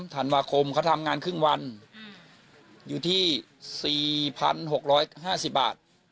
ธันวาคมเขาทำงานครึ่งวันอยู่ที่สี่พันหกร้อยห้าสิบบาท